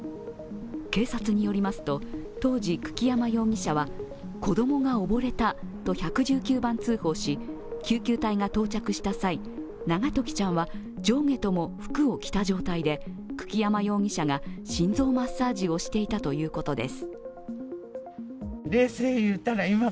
警察によりますと、当時、久木山容疑者は子供が溺れたと１１９番通報し、救急隊が到着した際、永時ちゃんは上下とも服を着た状態で久木山容疑者が心臓マッサージをしていたということです。